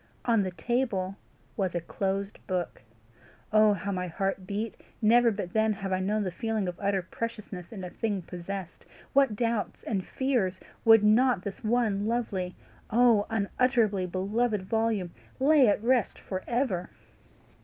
On the table was a closed book. Oh how my heart beat! Never but then have I known the feeling of utter preciousness in a thing possessed. What doubts and fears would not this one lovely, oh unutterably beloved volume, lay at rest for ever!